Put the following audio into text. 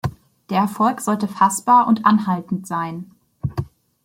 Der Erfolg sollte fassbar und anhaltend sein.